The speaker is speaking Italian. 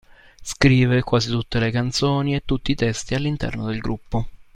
Scrive quasi tutte le canzoni e tutti i testi all'interno del gruppo.